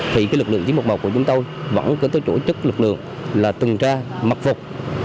thì lực lượng c một chín trăm một mươi một của chúng tôi vẫn có tổ chức lực lượng là tuần tra mặc vụt